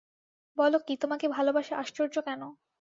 বল কী, তোমাকে ভালোবাসা আশ্চর্য কেন?